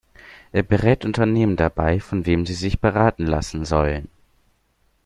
Er berät Unternehmen dabei, von wem sie sich beraten lassen sollen.